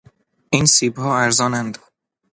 این سیبها ارزانند.